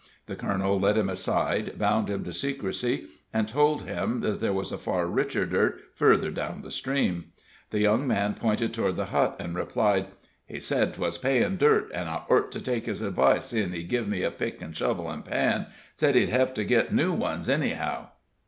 The colonel led him aside, bound him to secrecy and told him that there was a far richer dirt further down the stream. The young man pointed toward the hut, and replied: "He sed 'twas payin' dirt, an' I ort to take his advice, seein' he giv me a pick an' shovel an' pan sed he'd hev to git new ones anyhow."